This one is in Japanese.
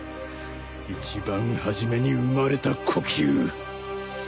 一番初めに生まれた呼吸最強の御技。